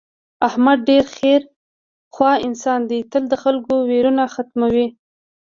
احمد ډېر خیر خوا انسان دی تل د خلکو ویرونه ختموي.